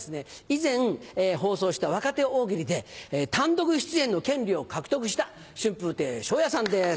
以前放送した若手大喜利で単独出演の権利を獲得した春風亭昇也さんです。